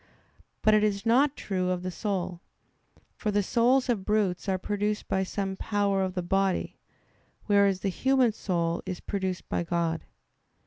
But it is not true of the soul. For the souls of brutes are produced by some power of the body; whereas the human soul is produced by God.